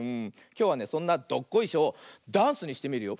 きょうはねそんな「どっこいしょ」をダンスにしてみるよ。